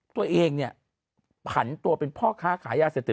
ตัวเองเนี่ยผันตัวเป็นพ่อค้าขายยาเสพติด